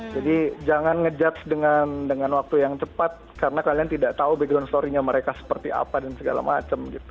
jadi jangan ngejudge dengan waktu yang cepat karena kalian tidak tahu background storynya mereka seperti apa dan segala macam